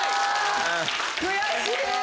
悔しい！